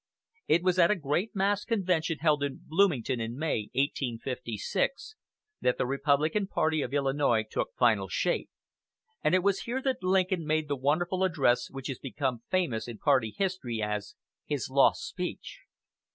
It was at a great mass convention held in Bloomington in May, 1856, that the Republican party of Illinois took final shape; and it was here that Lincoln made the wonderful address which has become famous in party history as his "lost speech."